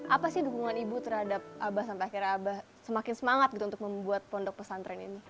apa sih dukungan ibu terhadap abah sampai akhirnya abah semakin semangat gitu untuk membuat pondok pesantren ini